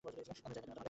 আমিও যাই না কেন তাহলে!